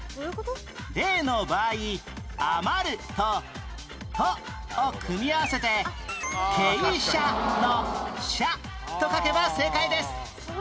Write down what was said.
例の場合「余る」と「斗」を組み合わせて傾斜の「斜」と書けば正解です